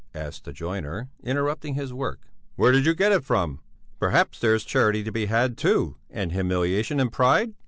asked the joiner, interrupting his work. "Where did you get it from? Perhaps there's charity to be had, too, and humiliation and pride?"